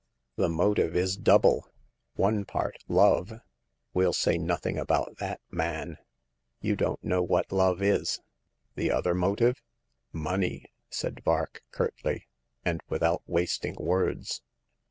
The motive is double : one part love "" We'll say nothing about that, man ! You don't know what love is ! The other motive ?"*' Money !" said Vark, curtly, and without wasting words.